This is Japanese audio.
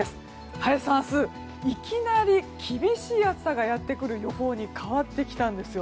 林さん、明日、いきなり厳しい暑さがやってくる予想に変わってきたんですよ。